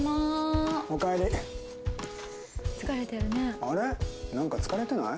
「疲れてるね」